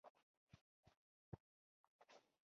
په کلاسیک عصر کې د مایا اقتصاد ورته و.